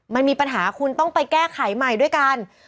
มันมีปัญหาคุณต้องไปแก้ไขใหม่ด้วยกัน